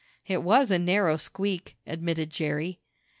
"It was a narrow squeak," admitted Jerry.